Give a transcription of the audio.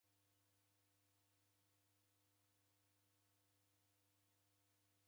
Mbeu ya manga yesia mpaka diguo zima